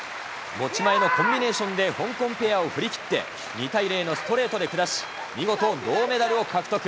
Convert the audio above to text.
持ち前のコンビネーションで香港ペアを振り切って、２対０のストレートで下し、見事、銅メダルを獲得。